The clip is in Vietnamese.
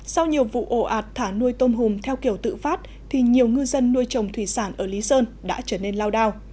sau nhiều vụ ổ ạt thả nuôi tôm hùm theo kiểu tự phát thì nhiều ngư dân nuôi trồng thủy sản ở lý sơn đã trở nên lao đao